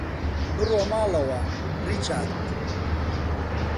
بڕۆ ماڵەوە، ڕیچارد.